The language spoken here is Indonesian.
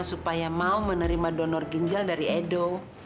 supaya mau menerima donor ginjal dari edo